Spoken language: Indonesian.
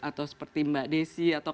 atau seperti mbak desi atau